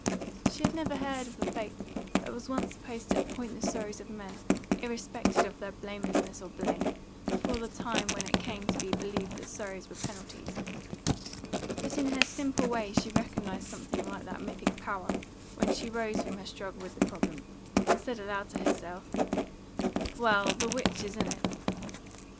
She had never heard of the fate that was once supposed to appoint the sorrows of men irrespective of their blamelessness or blame, before the time when it came to be believed that sorrows were penalties; but in her simple way she recognised something like that mythic power when she rose from her struggle with the problem, and said aloud to herself, "Well, the witch is in it."